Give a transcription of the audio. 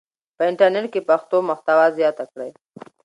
په انټرنیټ کې پښتو محتوا زیاته کړئ.